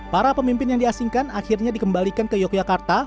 para pemimpin yang diasingkan akhirnya dikembalikan ke yogyakarta